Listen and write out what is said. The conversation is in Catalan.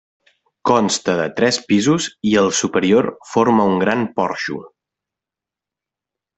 Consta de tres pisos i el superior forma un gran porxo.